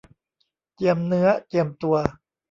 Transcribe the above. เจียมเนื้อเจียมตัว